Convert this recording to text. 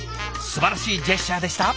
すばらしいジェスチャーでした。